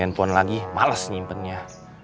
gak usah simpen lagi males simpennya